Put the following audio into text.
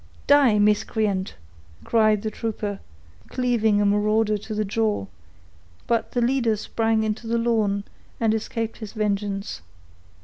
"Die, miscreant!" cried the trooper, cleaving a marauder to the jaw; but the leader sprang into the lawn, and escaped his vengeance.